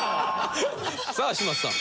さあ嶋佐さん。